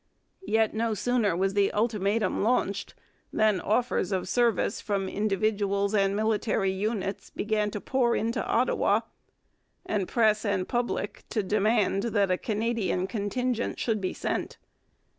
Yet no sooner was the ultimatum launched than offers of service from individuals and military units began to pour into Ottawa, and press and public to demand that a Canadian contingent should be sent.